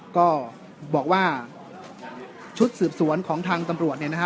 ก็บอกว่าชุดสืบสวนของทางตำรวจเนี่ยนะฮะ